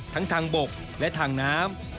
ทั้งทางบกและทางน้ำ